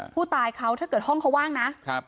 ผู้ตายเขาถ้าเกิดห้องเขาว่างนะ